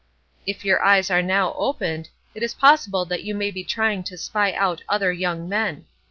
If your eyes are now opened, it is possible that you may be trying to spy out other young men.